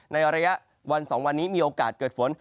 ในระยะวัน๒วันนี้มีโอกาสเกิดฝน